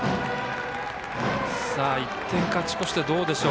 １点勝ち越して、どうでしょう。